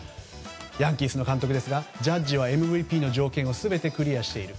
ヤンキースの監督ですがジャッジはＭＶＰの条件は全てクリアしている。